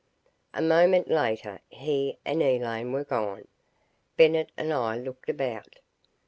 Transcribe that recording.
A moment later he and Elaine were gone. Bennett and I looked about.